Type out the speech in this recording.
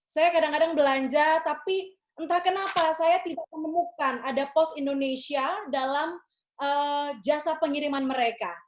saya kadang kadang belanja tapi entah kenapa saya tidak menemukan ada pos indonesia dalam jasa pengiriman mereka